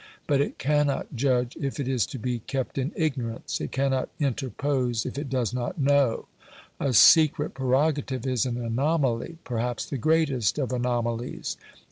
But it cannot judge if it is to be kept in ignorance; it cannot interpose if it does not know. A secret prerogative is an anomaly perhaps the greatest of anomalies.